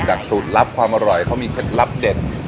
สูตรลับความอร่อยเขามีเคล็ดลับเด็ด